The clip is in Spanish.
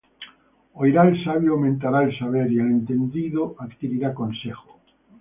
Oirá el sabio, y aumentará el saber; Y el entendido adquirirá consejo;